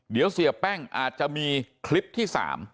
เดี๋ยวเสียแป้งอาจจะมีคลิปที่๓